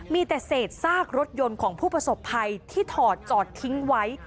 มีแต่เศษซากรถยนต์ของผู้ประสบภัยที่ถอดจอดทิ้งไว้